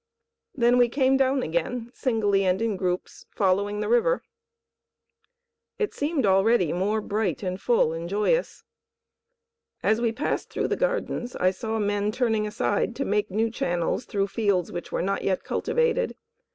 Then we came down again, singly and in groups, following the river. It seemed already more bright and full and joyous. As we passed through the gardens I saw men turning aside to make new channels through fields which were not yet cultivated.